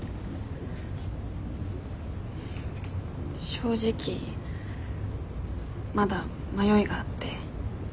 正直まだ迷いがあって。